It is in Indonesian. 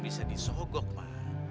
dia bisa disogok ma